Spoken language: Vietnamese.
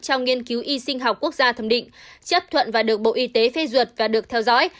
trong nghiên cứu y sinh học quốc gia thẩm định chấp thuận và được bộ y tế phê duyệt và được theo dõi